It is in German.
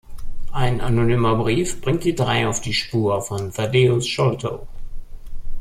Ein anonymer Brief bringt die drei auf die Spur von Thaddeus Sholto.